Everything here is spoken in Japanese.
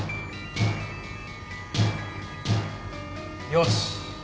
よし！